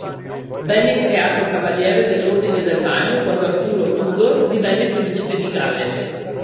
Venne creato cavaliere dell'Ordine del Bagno quando Arturo Tudor divenne principe di Galles.